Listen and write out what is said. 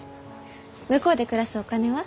向こうで暮らすお金は？